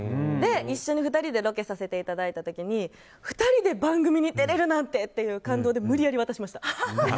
一緒に２人でロケさせていただいた時に２人で番組に出れるなんてっていう感動で無理やり渡しました。